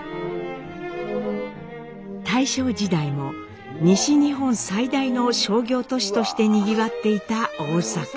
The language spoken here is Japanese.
大正時代も西日本最大の商業都市としてにぎわっていた大阪。